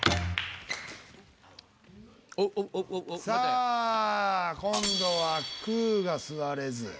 さあ今度はくーが座れず。